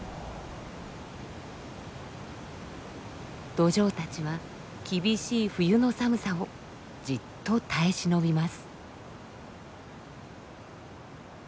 ドジョウたちは厳しい冬の寒さをじっと耐え忍びます。